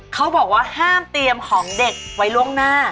เขาบอกว่าห้ามเตรียมของเด็กไว้ล่วงหน้า